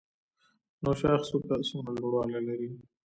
نوشاخ څوکه څومره لوړوالی لري؟